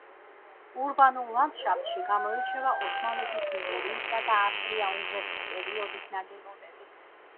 ურბანულ ლანდშაფტში გამოირჩევა ოსმალეთის იმპერიისა და ავსტრია-უნგრეთის პერიოდის ნაგებობები.